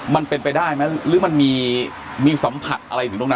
มันเป็นไปได้ไหมหรือมันมีสัมผัสอะไรถึงตรงนั้น